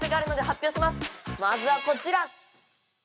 まずはこちら！